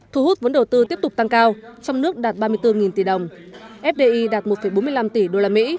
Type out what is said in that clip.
thu hút vốn đầu tư tiếp tục tăng cao trong nước đạt ba mươi bốn tỷ đồng fdi đạt một bốn mươi năm tỷ usd